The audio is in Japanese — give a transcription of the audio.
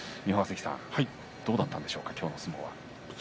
どうだったんでしょうか今日の相撲は。